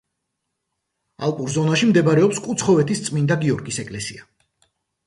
ალპურ ზონაში მდებარეობს კუცხოვეთის წმინდა გიორგის ეკლესია.